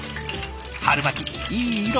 春巻きいい色！